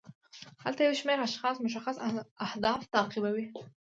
هلته یو شمیر اشخاص مشخص اهداف تعقیبوي.